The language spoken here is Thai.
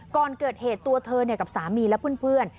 ก่อนเกิดเหตุตัวเธอกับสามีและเพื่อน